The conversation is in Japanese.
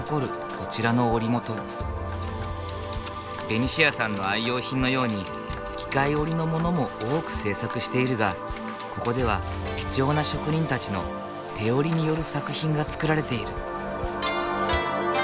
ベニシアさんの愛用品のように機械織りのものも多く制作しているがここでは貴重な職人たちの手織りによる作品が作られている。